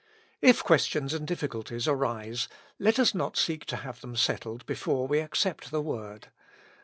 If questions and difficulties arise, let us not seek to have them settled before we accept the Word.